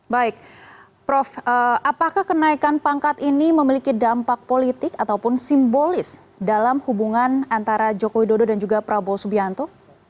baik prof apakah kenaikan pangkat ini memiliki dampak politik ataupun simbolis dalam hubungan antara jokowi dodo dan juga prabowo subianto